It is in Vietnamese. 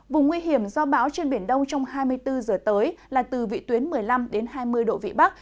vùng nguy hiểm do báo trên biển đông trong hai mươi bốn h tới là từ vị tuyến một mươi năm hai mươi độ vị bắc